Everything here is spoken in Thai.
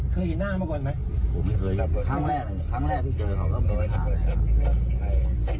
เคยเห็นหน้าเมื่อก่อนไหมครั้งแรกครั้งแรกพี่เจอเขาแล้วเขาไปถามแหละครับ